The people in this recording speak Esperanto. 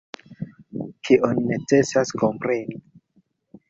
Kion necesas kompreni?